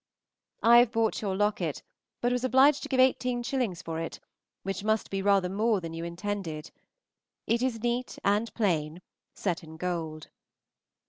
I have bought your locket, but was obliged to give 18_s._ for it, which must be rather more than you intended. It is neat and plain, set in gold.